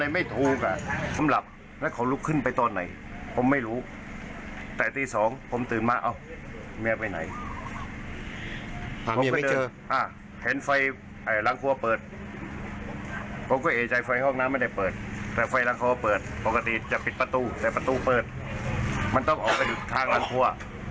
มันต้องออกไปหยุดทางล้างตัว